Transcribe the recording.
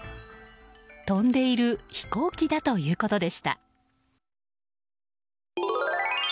飛んでいる飛行機だということでした。